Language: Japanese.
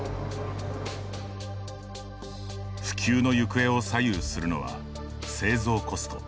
普及の行方を左右するのは製造コスト。